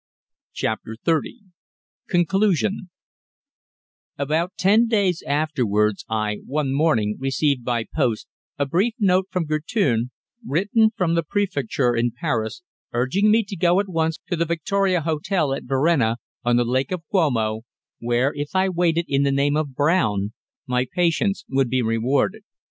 CHAPTER THIRTY CONCLUSION About ten days afterwards I one morning received by post a brief note from Guertin, written from the Préfecture in Paris, urging me to go at once to the Victoria Hotel at Varenna, on the Lake of Como, where, if I waited in the name of Brown, my patience would be rewarded.